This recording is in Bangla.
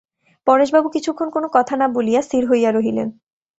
পরেশবাবু কিছুক্ষণ কোনো কথা না বলিয়া স্থির হইয়া রহিলেন।